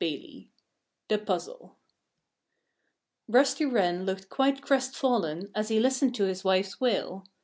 XVIII THE PUZZLE Rusty Wren looked quite crestfallen as he listened to his wife's wail.